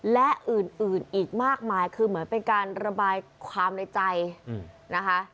และอื่นอีกมากมายคือเหมือนเป็นการระบายความในใจนะคะ